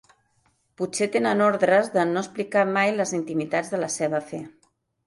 Potser tenen ordres de no explicar mai les intimitats de la seva fe.